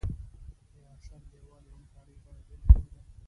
آیا اشر د یووالي او همکارۍ غوره بیلګه نه ده؟